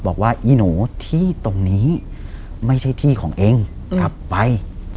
อีหนูที่ตรงนี้ไม่ใช่ที่ของเองกลับไป